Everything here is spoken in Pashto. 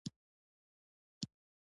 څوک څنګه دومره بې پامه چلن کولای شي.